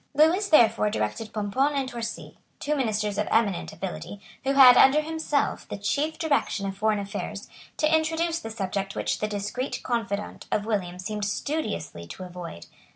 Lewis therefore directed Pomponne and Torcy, two ministers of eminent ability, who had, under himself, the chief direction of foreign affairs, to introduce the subject which the discreet confidant of William seemed studiously to avoid.